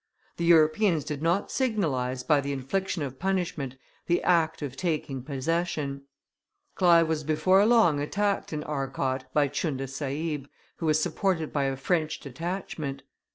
The Europeans did not signalize by the infliction of punishment the act of taking possession. Clive was before long attacked in Arcot by Tchunda Sahib, who was supported by a French detachment.